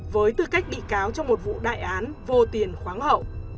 với tư cách bị cáo trong một vụ đại án vô tiền khoáng hậu